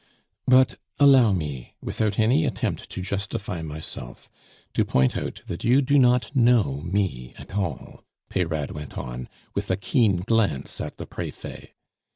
"But allow me, without any attempt to justify myself, to point out that you do not know me at all," Peyrade went on, with a keen glance at the Prefet.